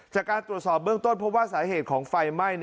จากการตรวจสอบเบื้องต้นเพราะว่าสาเหตุของไฟไหม้